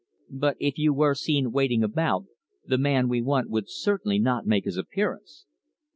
"But if you were seen waiting about, the man we want would certainly not make his appearance.